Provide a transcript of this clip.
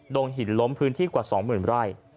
ดงหินล้มพื้นที่กว่าสองหมื่นไร่